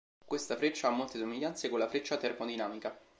Questa freccia ha molte somiglianze con la freccia termodinamica.